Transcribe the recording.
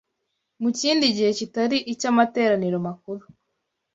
mu kindi gihe kitari icy’amateraniro makuru